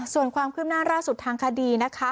ส่วนความคืบหน้าล่าสุดทางคดีนะคะ